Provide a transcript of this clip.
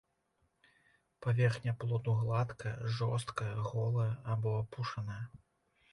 Паверхня плоду гладкая, жорсткая, голая або апушаная.